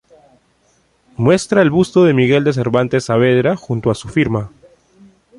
Muestra el busto de Miguel de Cervantes Saavedra junto a su firma.